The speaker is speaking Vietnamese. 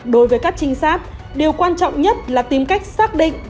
đối với các trinh sát điều quan trọng nhất là tìm cách xác định